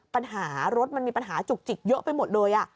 ปัญหารถมันมีปัญหาจุกจิกเยอะไปหมดเลย